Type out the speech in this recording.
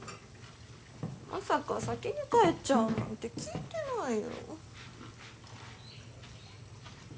まさか先に帰っちゃうなんて聞いてないよ。